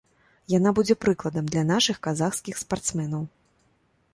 Яна будзе прыкладам для нашых казахскіх спартсменаў.